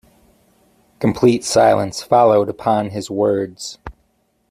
Complete silence followed upon his words.